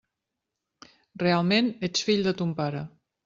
Realment ets fill de ton pare.